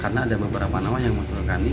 karena ada beberapa nawa yang menurunkan ini